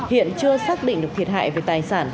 hiện chưa xác định được thiệt hại về tài sản